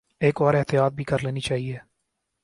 ایک اور احتیاط بھی کر لینی چاہیے۔